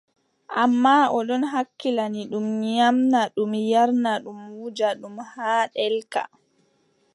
Ammaa o ɗon hakkilani ɗum, nyaamna ɗum, yarna ɗum, wuja ɗum haa ɗelka.